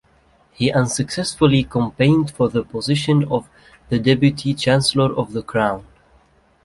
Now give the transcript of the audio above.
He unsuccessfully campaigned for the position of the Deputy Chancellor of the Crown.